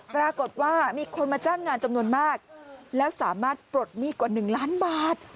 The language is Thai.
ปรากฏว่ามีคนมาจ้างงานจำนวนมากแล้วสามารถปลดหนี้กว่า๑ล้านบาท